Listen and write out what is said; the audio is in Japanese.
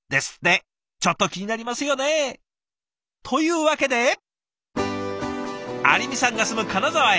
ちょっと気になりますよね？というわけで有美さんが住む金沢へ。